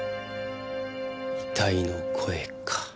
遺体の声か。